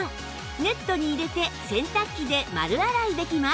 ネットに入れて洗濯機で丸洗いできます